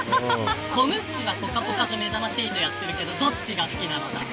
コムっちは、ぽかぽかとめざまし８やってるけどどっちが好きなのさ。